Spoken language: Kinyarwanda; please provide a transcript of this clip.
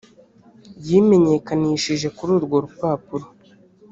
yimenyekanishije kuri urwo rupapuro